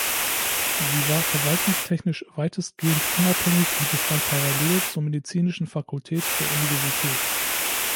Sie war verwaltungstechnisch weitestgehend unabhängig und bestand parallel zur medizinischen Fakultät der Universität.